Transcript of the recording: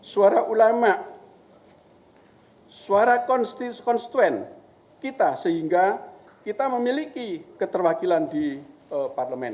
suara ulama suara konstituen kita sehingga kita memiliki keterwakilan di parlemen